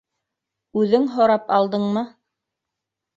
Үҙең һорап алдыңмы?